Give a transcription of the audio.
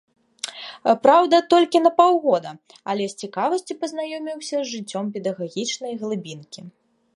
Праўда, толькі на паўгода, але з цікавасцю пазнаёміўся з жыццём педагагічнай глыбінкі.